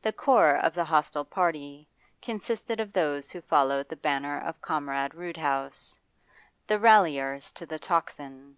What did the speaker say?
The core of the hostile party consisted of those who followed the banner of Comrade Roodhouse, the ralliers to the 'Tocsin.